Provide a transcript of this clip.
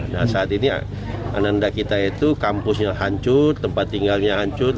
nah saat ini ananda kita itu kampusnya hancur tempat tinggalnya hancur